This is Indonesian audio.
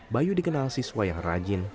bayu dikenal siswa yang rajin